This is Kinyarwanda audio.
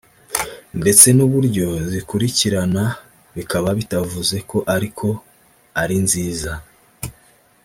ndetse n’uburyo zikurikirana bikaba bitavuze ko ari ko ari nziza